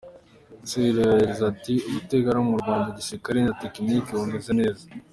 Sergueï Lavrov yagize ati:“ubutwererane mu rya gisirikare na Tekiniki bumeze neza.